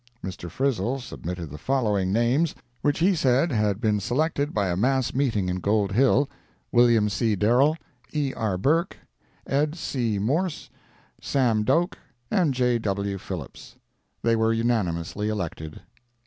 Mr. Frizell submitted the following names, which he said had been selected by a mass meeting in Gold Hill: Wm. C. Derall, E. R. Burke, Ed. C. Morse, Sam Doak, and J. W. Phillips. They were unanimously elected.